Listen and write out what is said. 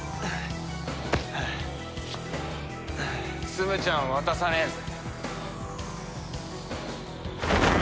ツムちゃんは渡さねえぜ。